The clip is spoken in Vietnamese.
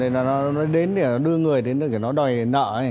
nó đến để đưa người đến nó đòi nợ